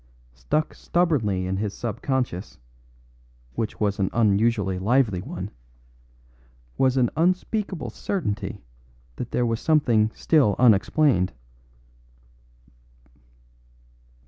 Stuck stubbornly in his sub consciousness (which was an unusually lively one) was an unspeakable certainty that there was something still unexplained.